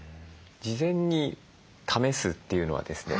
事前に試すというのはですね